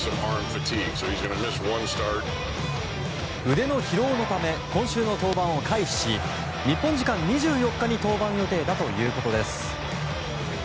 腕の疲労のため今週の登板を回避し日本時間２４日に登板予定だということです。